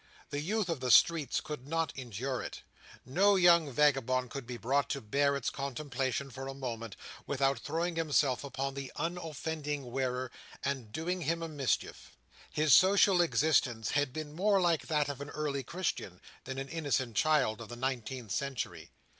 The youth of the streets could not endure it. No young vagabond could be brought to bear its contemplation for a moment, without throwing himself upon the unoffending wearer, and doing him a mischief. His social existence had been more like that of an early Christian, than an innocent child of the nineteenth century.